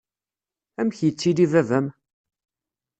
Amek yettili baba-m?